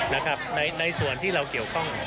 ในส่วนที่เราเกี่ยวข้อง